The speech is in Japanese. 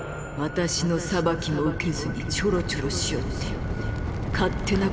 私の裁きも受けずにちょろちょろしおって。